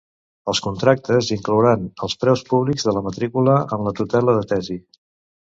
Els contractes inclouran els preus públics de la matrícula en la tutela de tesi.